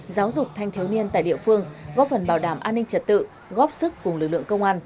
giáo dục thanh thiếu niên tại địa phương góp phần bảo đảm an ninh trật tự góp sức cùng lực lượng công an